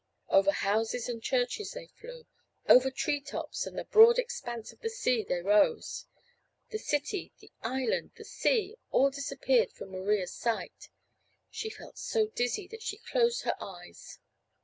Over houses and churches they flew. Over treetops and the broad expanse of the sea they rose. The city, the island, the sea, all disappeared from Maria's sight. She felt so dizzy that she closed her eyes.